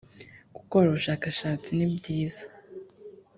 gukora ubushakashatsi nibyiza